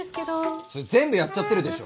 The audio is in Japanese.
それ全部やっちゃってるでしょ。